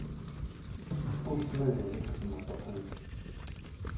Ur t-mazal ixeddem aṭas am zik.